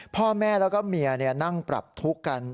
พ่อแม่แล้วก็เมียนั่งปรับทุกข์กัน